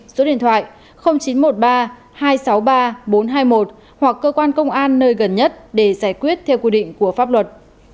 số điện thoại chín trăm một mươi ba hai trăm sáu mươi ba bốn trăm hai mươi một hoặc cơ quan công an nơi gần nhất để giải quyết theo quy định của pháp luật